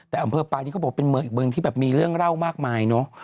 แต่อำเภอปลายที่เขาบอกเป็นเมืองอีกเมืองที่แบบมีเรื่องเล่ามากมายเนอะ